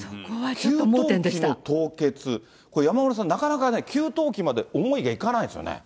給湯器の凍結、これ、山村さん、なかなか給湯器まで思いがいかないですよね。